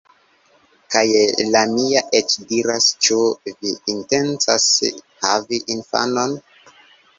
Kaj la mia eĉ diras "Ĉu vi intencas havi infanon?"